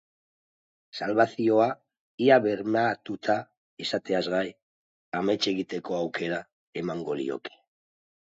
Salbazioa ia bermatuta izateaz gai, amets egiteko aukera emango lioke.